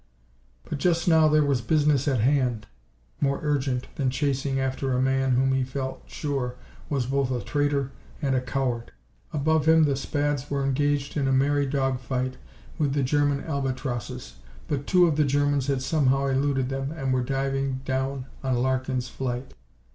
But just now there was business at hand more urgent than chasing after a man whom he felt sure was both a traitor and a coward. Above him the Spads were engaged in a merry dog fight with the German Albatrosses. But two of the Germans had somehow eluded them and were diving down on Larkin's flight.